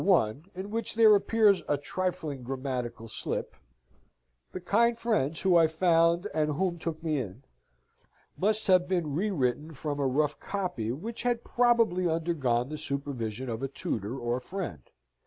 1, in which there appears a trifling grammatical slip ("the kind, friends who I found and whom took me in"), must have been re written from a rough copy which had probably undergone the supervision of a tutor or friend.